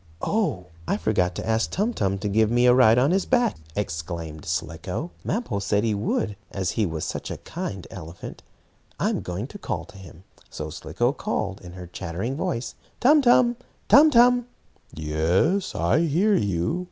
"Oh, I forgot to ask Tum Tum to give me a ride on his back!" exclaimed Slicko. "Mappo said he would, as he was such a kind elephant. I'm going to call to him." So Slicko called, in her chattering voice: "Tum Tum! Tum Tum!" "Yes, I hear you.